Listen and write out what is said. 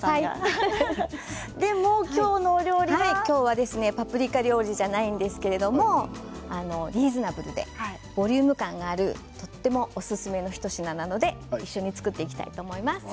でも今日のお料理はパプリカ料理ではないんですけれどもリーズナブルでボリューム感のあるとってもおすすめの一品なので作っていきたいと思います。